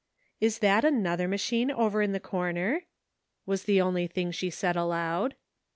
"Is that another machine over in the corner? " was the only thing she said aloud.